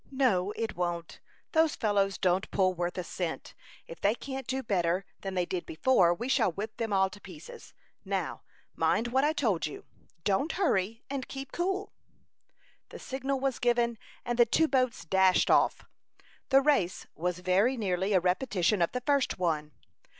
"No, it won't. Those fellows don't pull worth a cent. If they can't do better than they did before, we shall whip them all to pieces. Now, mind what I told you; don't hurry, and keep cool." The signal was given, and the two boats dashed off. The race was very nearly a repetition of the first one.